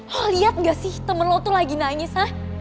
lo liat gak sih temen lo tuh lagi nangis hah